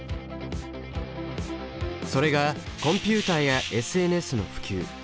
それがコンピュータやＳＮＳの普及